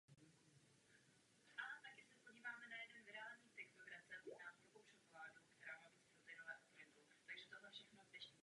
Je však přístupná jen od poloviny června do konce srpna.